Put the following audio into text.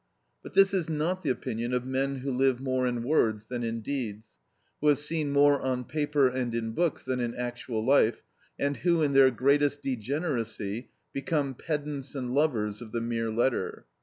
But this is not the opinion of men who live more in words than in deeds, who have seen more on paper and in books than in actual life, and who in their greatest degeneracy become pedants and lovers of the mere letter.